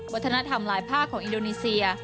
วัฒนธรรมหลายภาคของอินโดนีเซีย